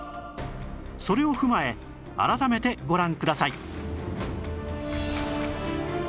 それを踏まえ改めてご覧ください